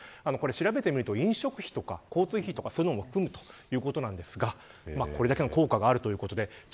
調べてみると飲食費とか交通費も含むということなんですがこれだけの効果があるということです。